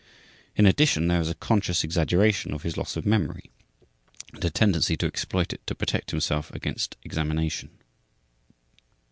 In addition there is a conscious exaggeration of his loss of memory and a tendency to exploit it to protect himself against examination.